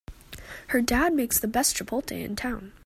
Her dad makes the best chipotle in town!